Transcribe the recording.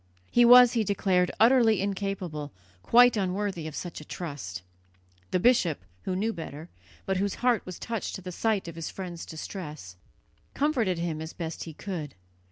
He was, he declared, utterly incapable, quite unworthy of such a trust. The bishop, who knew better, but whose heart was touched at the sight of his friend's distress, comforted him as best he could.